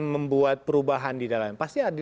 membuat perubahan di dalamnya pasti ada yang